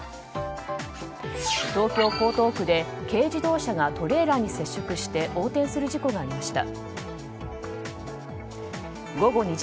東京・江東区で軽自動車がトレーラーに接触して横転する事故がありました。